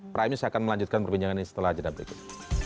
praimnya saya akan melanjutkan perbincangan ini setelah jadwal berikut